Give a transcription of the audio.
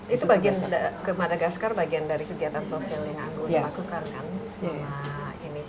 itu bagian ke madagaskar bagian dari kegiatan sosial yang aku lakukan kan